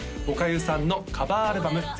おかゆさんのカバーアルバム